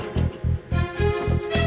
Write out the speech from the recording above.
gak akan sampai